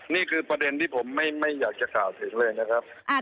นี่คือประเด็นที่ผมไม่อยากจะกล่าวถึงเลยนะครับ